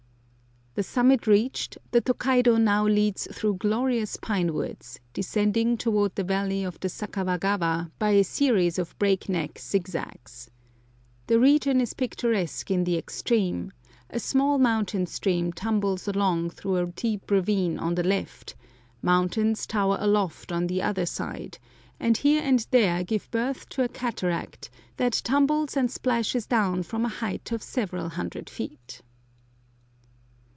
The summit reached, the Tokaido now leads through glorious pine woods, descending toward the valley of the Sakawagawa by a series of breakneck zigzags. The region is picturesque in the extreme; a small mountain stream tumbles along through a deep ravine on the left, mountains tower aloft on the other side, and here and there give birth to a cataract that tumbles and splashes down from a height of several hundred feet.